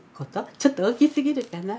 ちょっと大きすぎるかな？